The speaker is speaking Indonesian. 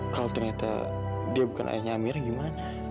kalau ternyata dia bukan ayahnya amir gimana